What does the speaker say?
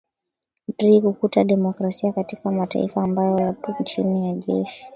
dri kukuta demokrasia katika mataifa ambayo yapo chini ya jeshi